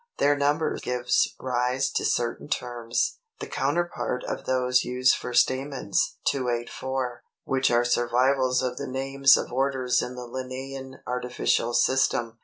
Their number gives rise to certain terms, the counterpart of those used for stamens (284), which are survivals of the names of orders in the Linnæan artificial system.